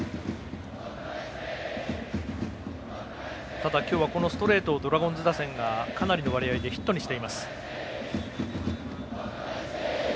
ただ、今日はこのストレートをドラゴンズ打線がかなりの割合でヒットにしています。